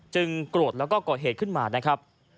โกรธแล้วก็ก่อเหตุขึ้นมานะครับ